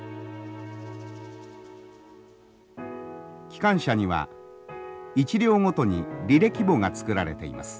機関車には１両ごとに履歴簿が作られています。